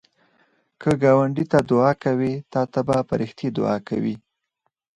که ګاونډي ته دعا کوې، تا ته به فرښتې دعا کوي